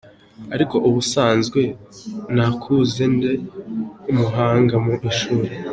Ariko ubusanzwe nakuze ndi umuhanga mu ishuri.